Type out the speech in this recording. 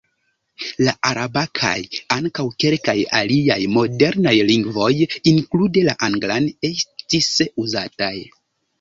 La araba kaj ankaŭ kelkaj aliaj modernaj lingvoj (inklude la anglan) estis uzataj.